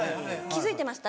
気付いてました？